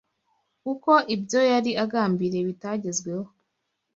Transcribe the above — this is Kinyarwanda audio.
uko ibyo yari agambiriye bitagezweho